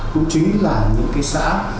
cũng chính là những cái xã